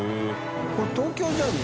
これ東京じゃんね？